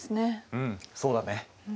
うんそうだね。